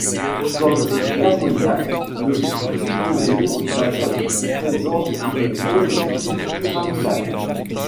Comme l'ammoniac, le trichlorure d'azote présente une molécule pyramidale.